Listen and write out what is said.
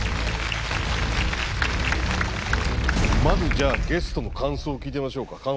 まずじゃあゲストの感想を聞いてみましょうか。